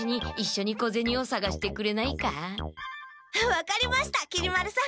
分かりましたきり丸さん。